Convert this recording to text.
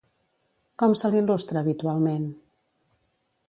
Com se l'il·lustra, habitualment?